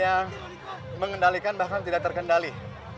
tidak ada yang mengendalikan bahkan tidak terkendali